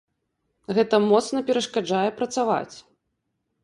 Гэта моцна перашкаджае працаваць!